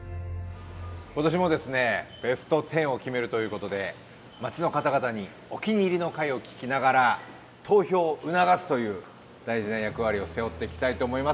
今年もですねベスト１０を決めるということで町の方々にお気に入りの回を聞きながら投票を促すという大事な役割を背負っていきたいと思います。